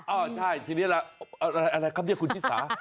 เออใช่ทีนี้แหละอะไรครับที่คุณพี่สา